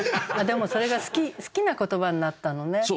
でもそれが好きな言葉になったのね。